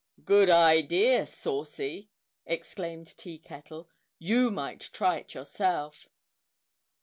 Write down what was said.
"Good idea, Saucy!" exclaimed Tea Kettle. "You might try it yourself!"